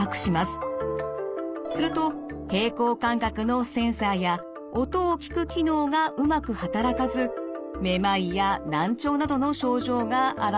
すると平衡感覚のセンサーや音を聞く機能がうまく働かずめまいや難聴などの症状が現れるのです。